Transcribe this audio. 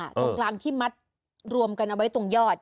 ตรงกลางที่มัดรวมกันเอาไว้ตรงยอด